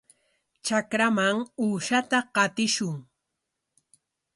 Trakraman uushata qatishun.